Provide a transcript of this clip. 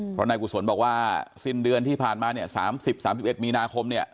เพราะนายกุศลบอกว่าสิ้นเดือนที่ผ่านมา๓๐๓๑มีนาคม